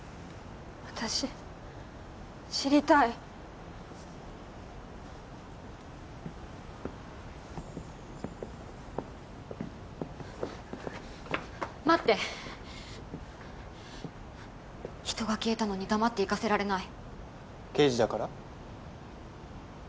私知りたい待って人が消えたのに黙って行かせられない刑事だから？